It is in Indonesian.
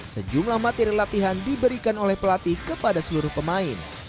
sejumlah materi latihan diberikan oleh pelatih kepada seluruh pemain